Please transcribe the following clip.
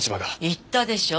言ったでしょ。